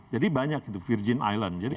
jadi banyak gitu virgin island